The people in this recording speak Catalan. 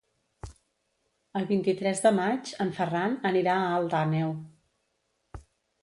El vint-i-tres de maig en Ferran anirà a Alt Àneu.